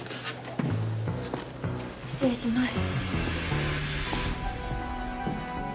失礼します。